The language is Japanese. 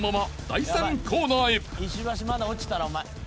まだ落ちたらお前。